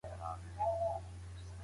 ذهني پاکي هم مهمه ده.